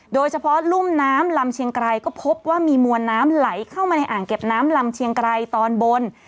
โดยเฉพาะรุ่มน้ำลำเชียงไกรก็พบว่ามีมวลน้ำไหลเข้ามาในอ่างเก็บน้ำลำเชียงไกรตอนบน